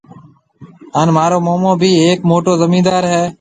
هانَ مهارو مومو بي هيَڪ موٽو زميندار هيَ۔